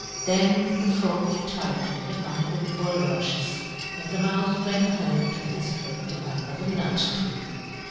Then the Frog retired among the bulrushes and the Mouse ran home to his hole under the nut tree.